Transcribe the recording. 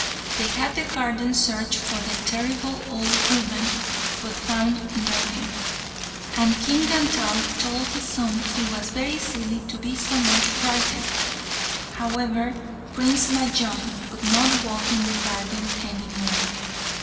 They had the garden searched for the terrible old woman, but found nothing, and King Dantal told his son he was very silly to be so much frightened. However, Prince Majnun would not walk in the garden any more.